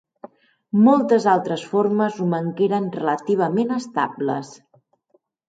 Moltes altres formes romangueren relativament estables.